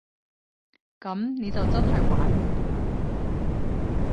噉你就真係玩完嘞